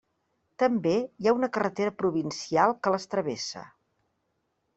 També hi ha una carretera provincial que les travessa.